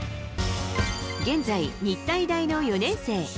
現在、日体大の４年生。